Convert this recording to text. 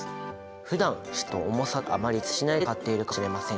ふだん質量と重さってあまり区別しないで使っているかもしれません。